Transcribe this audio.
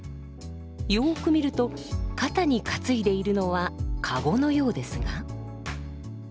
よく見ると肩に担いでいるのは駕籠のようですが。